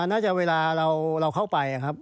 น่าจะเวลาเราเข้าไปครับ